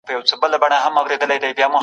د صنايعو ساتنه ولي مهمه ده؟